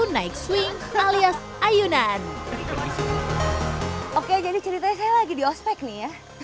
naik swing alias ayunan oke jadi cerita saya lagi di ospek nih ya oke jadi ceritanya saya lagi di ospek nih ya